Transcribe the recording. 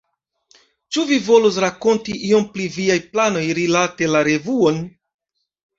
Ĉu vi volus rakonti iom pri viaj planoj rilate la revuon?